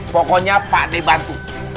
pokonya pakde bantu